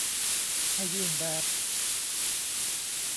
ให้ยื่นแบบ